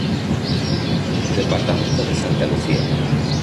Departamento de Santa Lucía.